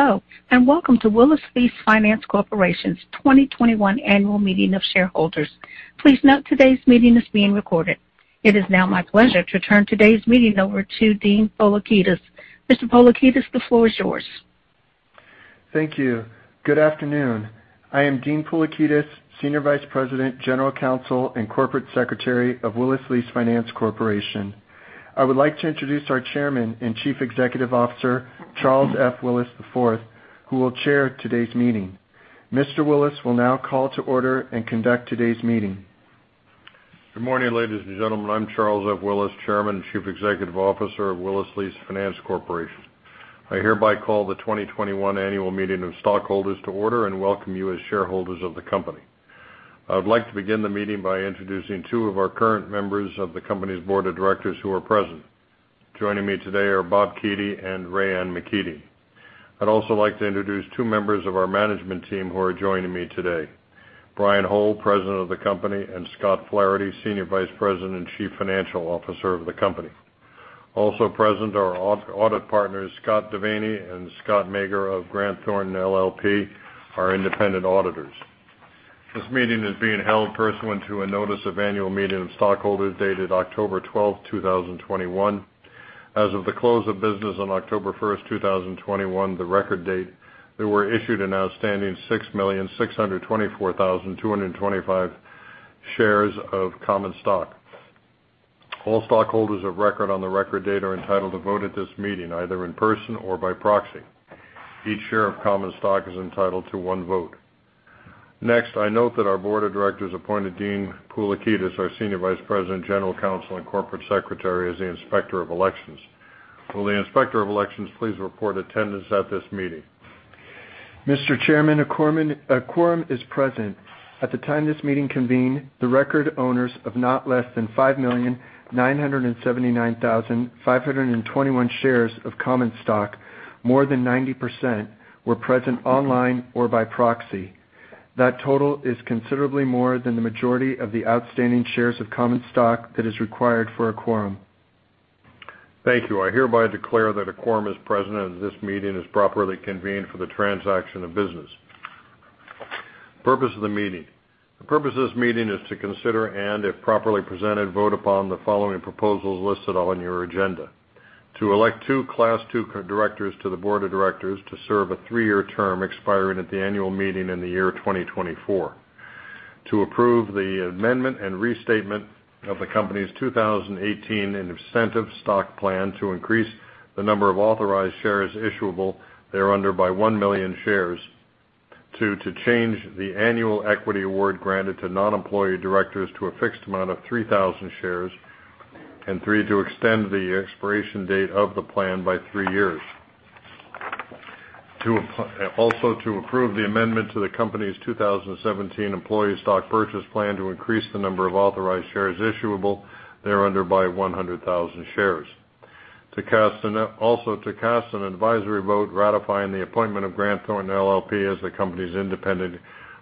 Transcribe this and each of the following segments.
Hello, and welcome to Willis Lease Finance Corporation's 2021 Annual Meeting of Shareholders. Please note today's meeting is being recorded. It is now my pleasure to turn today's meeting over to Dean Poulakidas. Mr. Poulakidas, the floor is yours. Thank you. Good afternoon. I am Dean Poulakidas, Senior Vice President, General Counsel, and Corporate Secretary of Willis Lease Finance Corporation. I would like to introduce our Chairman and Chief Executive Officer, Charles F. Willis IV, who will chair today's meeting. Mr. Willis will now call to order and conduct today's meeting. Good morning, ladies and gentlemen. I'm Charles F. Willis IV, Chairman and Chief Executive Officer of Willis Lease Finance Corporation. I hereby call the 2021 Annual Meeting of Stockholders to order and welcome you as shareholders of the company. I would like to begin the meeting by introducing two of our current members of the company's board of directors who are present. Joining me today are Bob Keady and Rae Ann McKeating. I'd also like to introduce two members of our management team who are joining me today. Brian Hole, President of the company, and Scott Flaherty, Senior Vice President and Chief Financial Officer of the company. Also present are audit partners Scott Devaney and Scott Mager of Grant Thornton LLP, our independent auditors. This meeting is being held pursuant to a Notice of Annual Meeting of Stockholders dated October 12, 2021. As of the close of business on October 1, 2021, the record date, there were issued and outstanding 6,624,225 shares of common stock. All stockholders of record on the record date are entitled to vote at this meeting, either in person or by proxy. Each share of common stock is entitled to one vote. Next, I note that our board of directors appointed Dean Poulakidas, our Senior Vice President, General Counsel, and Corporate Secretary, as the Inspector of Elections. Will the Inspector of Elections please report attendance at this meeting? Mr. Chairman, a quorum is present. At the time this meeting convened, the record owners of not less than 5,979,521 shares of common stock, more than 90%, were present online or by proxy. That total is considerably more than the majority of the outstanding shares of common stock that is required for a quorum. Thank you. I hereby declare that a quorum is present and this meeting is properly convened for the transaction of business. Purpose of the meeting. The purpose of this meeting is to consider and, if properly presented, vote upon the following proposals listed on your agenda. To elect 2 Class II directors to the Board of Directors to serve a 3-year term expiring at the annual meeting in the year 2024. To approve the amendment and restatement of the company's 2018 Incentive Stock Plan to increase the number of authorized shares issuable thereunder by 1 million shares. Two, to change the annual equity award granted to non-employee directors to a fixed amount of 3,000 shares. Three, to extend the expiration date of the plan by 3 years. Also, to approve the amendment to the company's Employee Stock Purchase Plan to increase the number of authorized shares issuable thereunder by 100,000 shares. Also, to cast an advisory vote ratifying the appointment of Grant Thornton LLP as the company's independent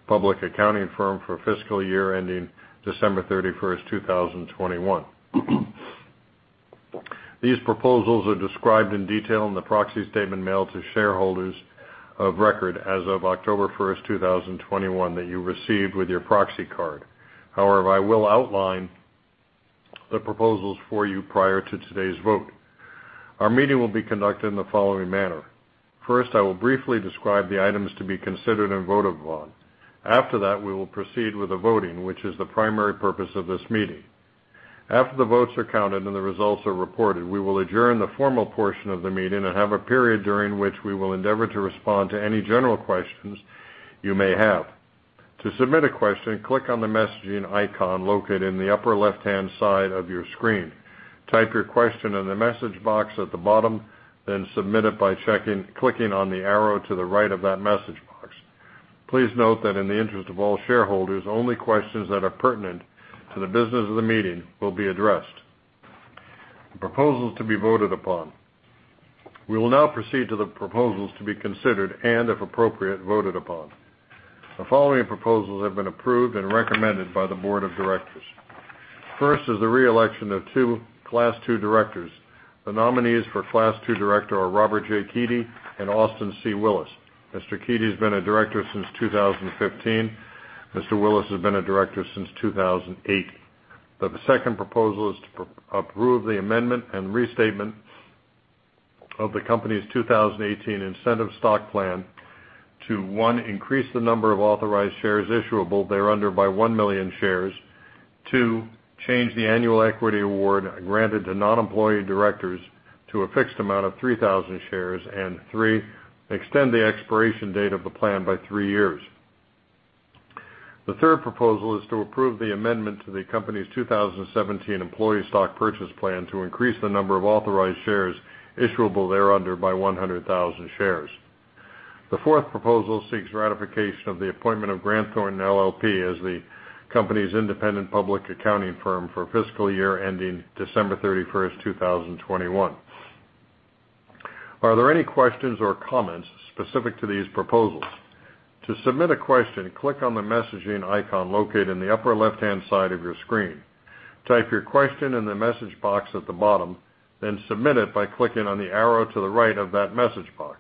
public accounting firm for fiscal year ending December 31, 2021. These proposals are described in detail in the proxy statement mailed to shareholders of record as of October 1, 2021, that you received with your proxy card. However, I will outline the proposals for you prior to today's vote. Our meeting will be conducted in the following manner. First, I will briefly describe the items to be considered and voted upon. After that, we will proceed with the voting, which is the primary purpose of this meeting. After the votes are counted and the results are reported, we will adjourn the formal portion of the meeting and have a period during which we will endeavor to respond to any general questions you may have. To submit a question, click on the messaging icon located in the upper left-hand side of your screen. Type your question in the message box at the bottom, then submit it by clicking on the arrow to the right of that message box. Please note that in the interest of all shareholders, only questions that are pertinent to the business of the meeting will be addressed. The proposals to be voted upon, we will now proceed to the proposals to be considered and, if appropriate, voted upon. The following proposals have been approved and recommended by the Board of Directors. First is the reelection of two Class II directors. The nominees for Class II director are Robert J. Keady and Austin C. Willis. Mr. Keady has been a director since 2015. Mr. Willis has been a director since 2008. The second proposal is to approve the amendment and restatement of the company's 2018 incentive stock plan to, one, increase the number of authorized shares issuable thereunder by 1 million shares. Two, change the annual equity award granted to non-employee directors to a fixed amount of 3,000 shares. And Three, extend the expiration date of the plan by three years. The third proposal is to approve the amendment to the company's 2017 employee stock purchase plan to increase the number of authorized shares issuable thereunder by 100,000 shares. The fourth proposal seeks ratification of the appointment of Grant Thornton LLP as the company's independent public accounting firm for fiscal year ending December 31, 2021. Are there any questions or comments specific to these proposals? To submit a question, click on the messaging icon located in the upper left-hand side of your screen. Type your question in the message box at the bottom, then submit it by clicking on the arrow to the right of that message box.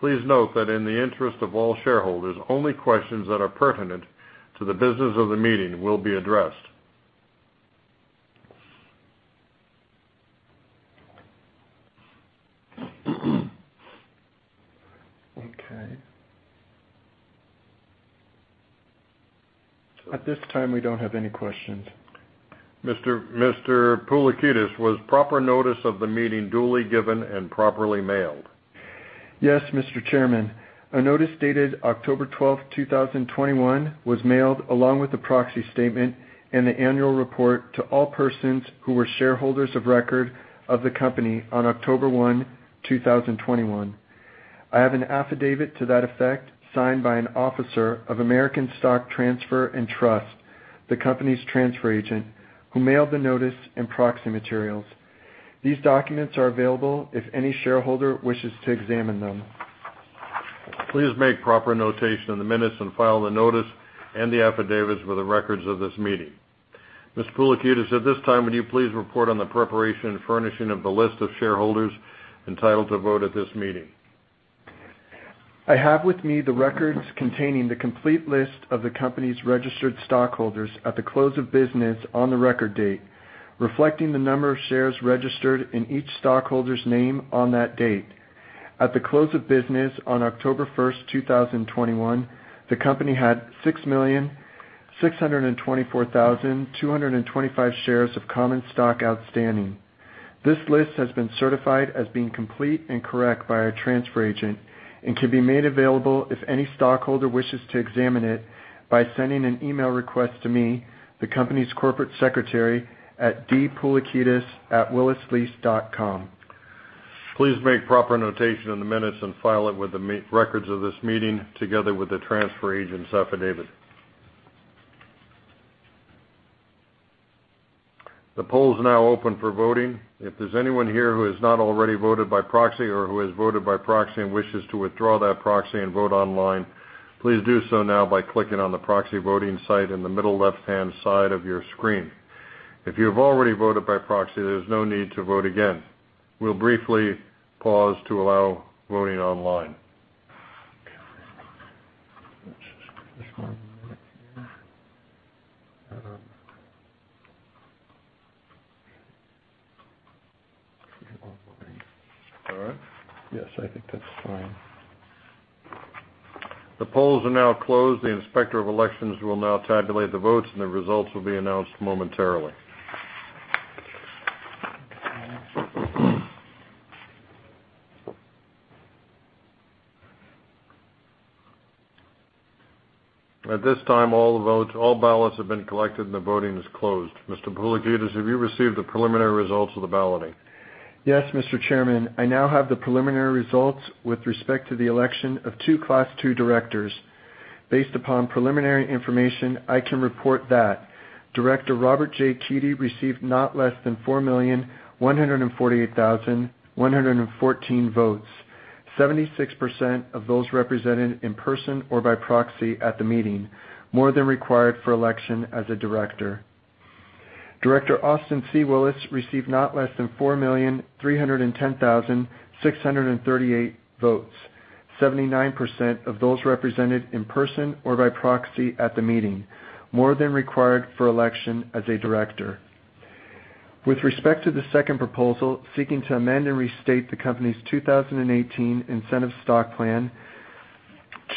Please note that in the interest of all shareholders, only questions that are pertinent to the business of the meeting will be addressed. Okay. At this time, we don't have any questions. Mr. Poulakidas, was proper notice of the meeting duly given and properly mailed? Yes, Mr. Chairman. A notice dated October 12th, 2021 was mailed along with the proxy statement and the annual report to all persons who were shareholders of record of the company on October 1, 2021. I have an affidavit to that effect signed by an officer of American Stock Transfer & Trust Company, the company's transfer agent, who mailed the notice and proxy materials. These documents are available if any shareholder wishes to examine them. Please make proper notation in the minutes and file the notice and the affidavits for the records of this meeting. Mr. Poulakidas, at this time, would you please report on the preparation and furnishing of the list of shareholders entitled to vote at this meeting? I have with me the records containing the complete list of the company's registered stockholders at the close of business on the record date, reflecting the number of shares registered in each stockholder's name on that date. At the close of business on October 1, 2021, the company had 6,624,225 shares of common stock outstanding. This list has been certified as being complete and correct by our transfer agent, and can be made available if any stockholder wishes to examine it by sending an email request to me, the company's corporate secretary, at dpoulakidas@willislease.com. Please make proper notation in the minutes and file it with the meeting records of this meeting, together with the transfer agent's affidavit. The poll is now open for voting. If there's anyone here who has not already voted by proxy or who has voted by proxy and wishes to withdraw that proxy and vote online, please do so now by clicking on the proxy voting site in the middle left-hand side of your screen. If you have already voted by proxy, there's no need to vote again. We'll briefly pause to allow voting online. All right. Yes, I think that's fine. The polls are now closed. The inspector of elections will now tabulate the votes, and the results will be announced momentarily. At this time, all the votes, all ballots have been collected and the voting is closed. Mr. Poulakidas, have you received the preliminary results of the balloting? Yes, Mr. Chairman. I now have the preliminary results with respect to the election of two Class II directors. Based upon preliminary information, I can report that Director Robert J. Keady received not less than 4,148,114 votes, 76% of those represented in person or by proxy at the meeting, more than required for election as a director. Director Austin C. Willis received not less than 4,310,638 votes, 79% of those represented in person or by proxy at the meeting, more than required for election as a director. With respect to the second proposal, seeking to amend and restate the company's 2018 incentive stock plan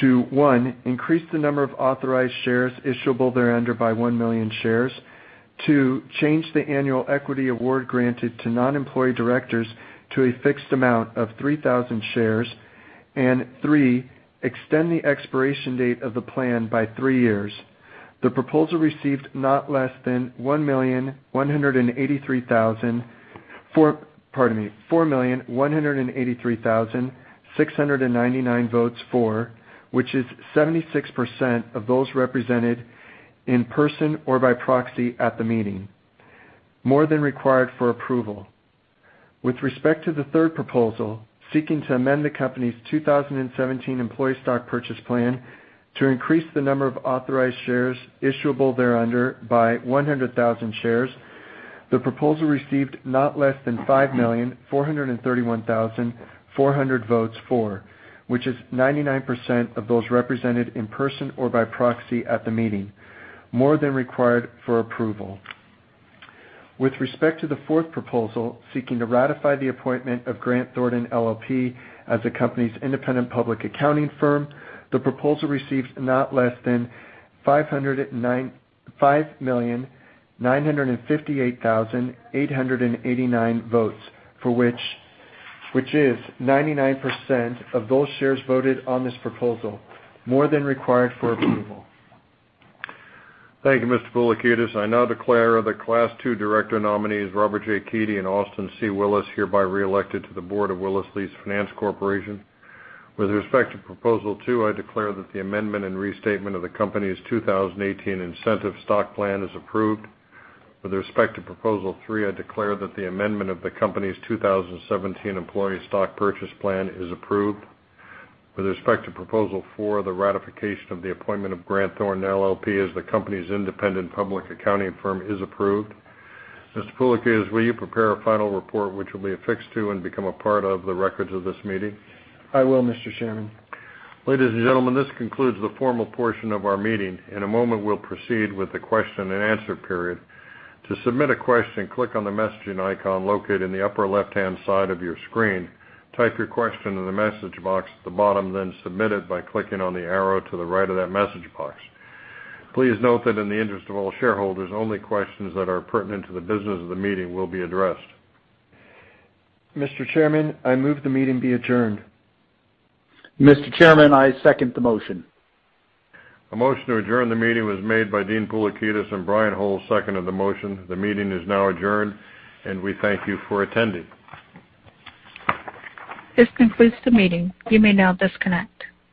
to, one, increase the number of authorized shares issuable thereunder by 1 million shares, two, change the annual equity award granted to non-employee directors to a fixed amount of 3,000 shares, and three, extend the expiration date of the plan by 3 years. The proposal received not less than 4,183,699 votes for, which is 76% of those represented in person or by proxy at the meeting, more than required for approval. With respect to the third proposal, seeking to amend the company's 2017 employee stock purchase plan to increase the number of authorized shares issuable thereunder by 100,000 shares, the proposal received not less than 5,431,400 votes for, which is 99% of those represented in person or by proxy at the meeting, more than required for approval. With respect to the fourth proposal, seeking to ratify the appointment of Grant Thornton LLP as the company's independent public accounting firm, the proposal received not less than 5,958,889 votes for, which is 99% of those shares voted on this proposal, more than required for approval. Thank you, Mr. Poulakidas. I now declare the Class II director nominees, Robert J. Keady and Austin C. Willis, hereby reelected to the board of Willis Lease Finance Corporation. With respect to proposal 2, I declare that the amendment and restatement of the company's 2018 incentive stock plan is approved. With respect to proposal 3, I declare that the amendment of the company's 2017 employee stock purchase plan is approved. With respect to proposal 4, the ratification of the appointment of Grant Thornton LLP as the company's independent public accounting firm is approved. Mr. Poulakidas, will you prepare a final report which will be affixed to and become a part of the records of this meeting? I will, Mr. Chairman. Ladies and gentlemen, this concludes the formal portion of our meeting. In a moment, we'll proceed with the question and answer period. To submit a question, click on the messaging icon located in the upper left-hand side of your screen. Type your question in the message box at the bottom, then submit it by clicking on the arrow to the right of that message box. Please note that in the interest of all shareholders, only questions that are pertinent to the business of the meeting will be addressed. Mr. Chairman, I move the meeting be adjourned. Mr. Chairman, I second the motion. A motion to adjourn the meeting was made by Dean Poulakidas, and Brian Hole seconded the motion. The meeting is now adjourned, and we thank you for attending. This concludes the meeting. You may now disconnect.